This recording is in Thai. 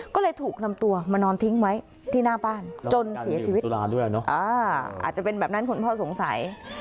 ก็เลยถูกนำตัวมานอนทิ้งไว้ที่หน้าบ้านจนเสียชีวิตอาจจะเป็นแบบนั้นคุณพ่อสงสัย